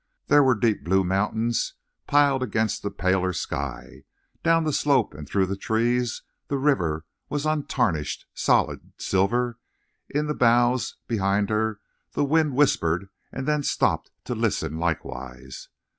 There were deep blue mountains piled against the paler sky; down the slope and through the trees the river was untarnished, solid, silver; in the boughs behind her the wind whispered and then stopped to listen likewise.